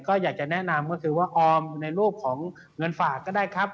ก็อยากจะแนะนำก็คือว่าออมในรูปของเงินฝากก็ได้ครับ